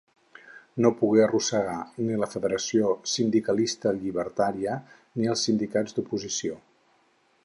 No pogué arrossegar ni la Federació Sindicalista Llibertària ni els Sindicats d'Oposició.